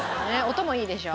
音もいいでしょう？